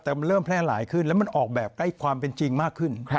แต่มันเริ่มแพร่หลายขึ้นแล้วมันออกแบบใกล้ความเป็นจริงมากขึ้น